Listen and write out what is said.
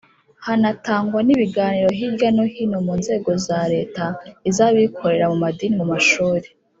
hanatangwa n ibiganiro hirya no hino mu nzego za Leta iz abikorera mu madini mu mashuri